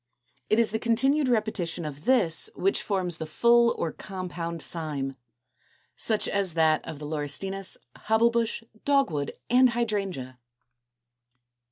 It is the continued repetition of this which forms the full or compound cyme, such as that of the Laurestinus, Hobble bush, Dogwood, and Hydrangea (Fig.